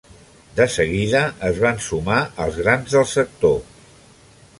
De seguida es van sumar els grans del sector.